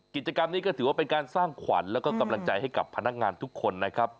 กิจกรรมนี้ก็ถือว่าเป็นการสร้างขวัญแล้วก็กำลังใจให้กับพนักงานทุกคนนะครับ